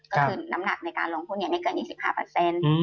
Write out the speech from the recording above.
ก็คือน้ำหนักในการลงหุ้นเนี่ยไม่เกิน๒๕